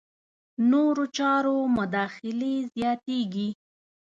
نورو چارو مداخلې زیاتېږي.